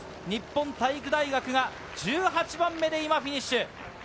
日本体育大学が１８番目でフィニッシュ。